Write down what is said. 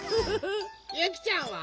ゆきちゃんは？